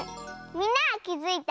みんなはきづいた？